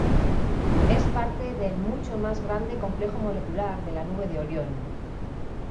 Es parte de la mucho más grande Complejo molecular de la nube de Orión